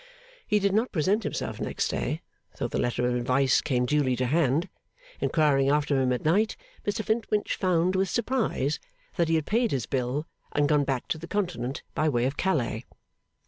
He did not present himself next day, though the letter of advice came duly to hand. Inquiring after him at night, Mr Flintwinch found, with surprise, that he had paid his bill and gone back to the Continent by way of Calais.